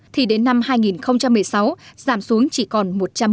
thì đến năm hai nghìn một mươi sáu giảm xuống chỉ còn một trăm một mươi